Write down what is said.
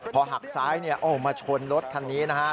พอหักซ้ายมาชนรถคันนี้นะครับ